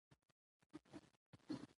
په افغانستان کې د ژورې سرچینې منابع شته.